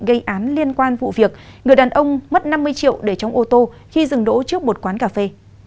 gây án liên quan vụ việc người đàn ông mất năm mươi triệu để trong ô tô khi dừng đỗ trước một quán cà phê